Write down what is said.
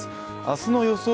明日の予想